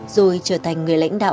rồi trở thành người lãnh đạo